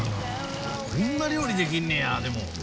こんな料理できんねやでも。